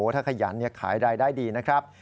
ถ้าขยันขายรายได้ดีนะครับ